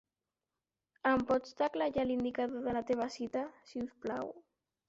Em pots teclejar l'indicador de la teva cita, si us plau?